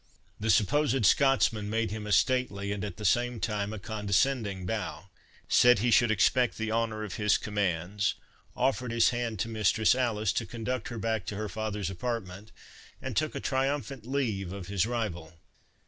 The supposed Scotsman made him a stately, and at the same time a condescending bow, said he should expect the honour of his commands, offered his hand to Mistress Alice, to conduct her back to her father's apartment, and took a triumphant leave of his rival.